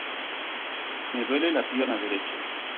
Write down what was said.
¡Me duele la pierna derecha!